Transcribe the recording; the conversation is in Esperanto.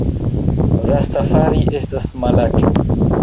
Rastafari estas malaĉa